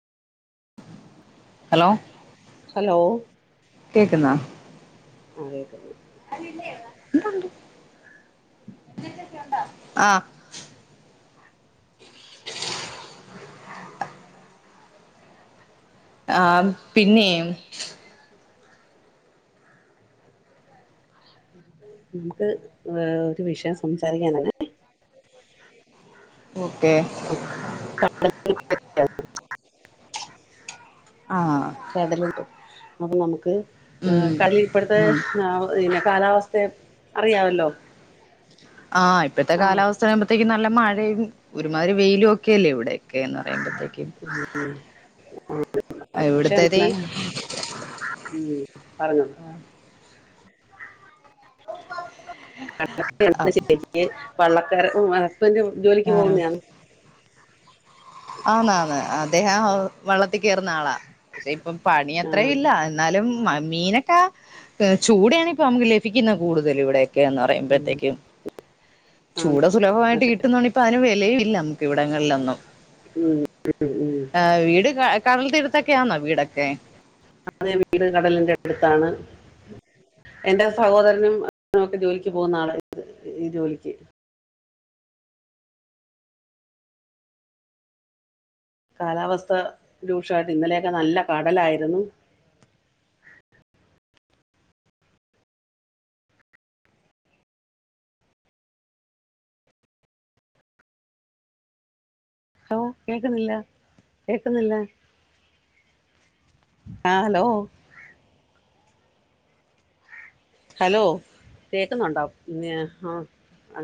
Hello. Hello. കേക്കുന്നോ. ആഹ് കേക്ക്ന്ന്. ഇവിടൊണ്ട്. ആഹ്. ആഹ് പിന്നേ. നമുക്ക് ആഹ് ഒരു വിഷയം സംസാരിക്കാനാണ്. ഓക്കേ. [unintelligible] [unintelligible] ആഹ് കടലുണ്ട്. അപ്പൊ നമുക്ക് ഉം ഏഹ് കളി ഇപ്പഴ്ത്തെ ഉം പിന്നെ കാലാവസ്ഥേം അറിയാവല്ലോ ആഹ് ഇപ്പഴ്ത്തെ കാലാവസ് ത്താനാവുമ്പോത്തേക്കും നല്ല മഴയും ഒരുമാതിരി വെയിലും ഒക്കെയല്ലേ ഇവിടെയൊക്കെ എന്ന് പറയുമ്പോ കളിക്കും. പക്ഷെ അയിവിട്ത്തതി എന്താ ഉം പറഞ്ഞോ [unintelligible] വള്ളക്കാര് ഉം ഹസ്ബൻ്റ് ജോലിക്ക് ആഹ് പോകുന്നെയാണ് ആന്ന് ആന്ന്. അദ്ദേഹം വെള്ളത്തിൽ കേറുന്ന ആളാ പക്ഷെ ഇപ്പൊ പണി ആ അത്രേയില്ല. എ ന്നാലും മ മീനൊക്കെ ഏഹ് ചൂടയാണ് ഇപ്പ നമുക്ക് ലഭിക്കുന്നത് കൂടുതലും ഇവടെ ക്കേന്ന് ഉം, പറയുമ്പഴ്ത്തേക്കും. ആ ചൂട സുലഭവായിട്ട് പക്ഷെ കിട്ടുന്നോണ്ടിപ്പ അതിന് വെലയും ഇല്ല ഇവിടങ്ങളിലൊന്നും ഉം ഉം ആഹ് വീട് ക കടൽ തീരത്തൊക്കെ ആന്നോ വീടൊക്കെ? അതെ വീട് കടലിന്റെ അടുത്താണ്. എന്റെ സഹോദരനും ഒക്കെ ജോലിക്ക് പോകുന്ന ആള് ഈ ജോലിക്ക് കാലാവസ്ഥ രൂക്ഷവായിട്ട് ഇന്നലെയൊക്കെ നല്ല കടലായിരുന്നു ഹലോ കേക്കുന്നില്ല കേക്കുന്നില്ല. ആഹ് ഹലോ ഹലോ കേക്കുന്നുണ്ടോ? ഇന്നിയ ആഹ്